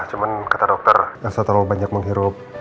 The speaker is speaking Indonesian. cuman kata dokter elsa terlalu banyak menghirup